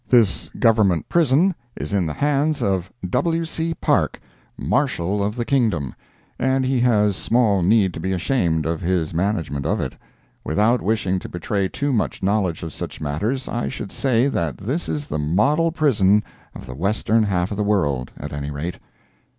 This Government Prison is in the hands of W. C. Parke, Marshal of the Kingdom, and he has small need to be ashamed of his management of it. Without wishing to betray too much knowledge of such matters, I should say that this is the model prison of the western half of the world, at any rate.